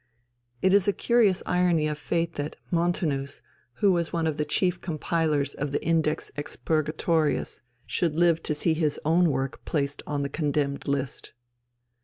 It is a curious irony of fate that Montanus, who was one of the chief compilers of the Index Expurgatorius, should live to see his own work placed on the condemned list.